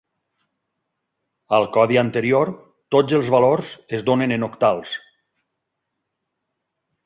Al codi anterior, tots els valors es donen en octals.